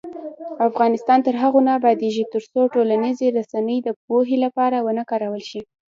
افغانستان تر هغو نه ابادیږي، ترڅو ټولنیزې رسنۍ د پوهې لپاره ونه کارول شي.